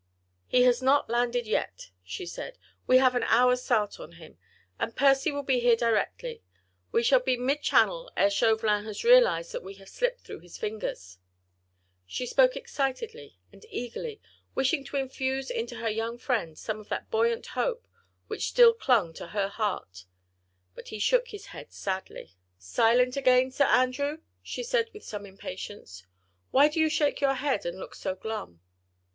"He has not landed yet," she said, "we have an hour's start on him, and Percy will be here directly. We shall be mid Channel ere Chauvelin has realised that we have slipped through his fingers." She spoke excitedly and eagerly, wishing to infuse into her young friend some of that buoyant hope which still clung to her heart. But he shook his head sadly. "Silent again, Sir Andrew?" she said with some impatience. "Why do you shake your head and look so glum?"